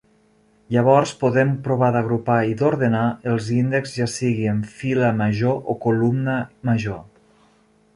Llavors, podem provar d'agrupar i d'ordenar els índexs ja sigui en fila major o columna major.